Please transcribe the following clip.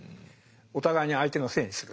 お互いに相手のせいにする。